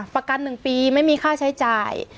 ประกัน๑ปีไม่มีค่าใช้จ่าย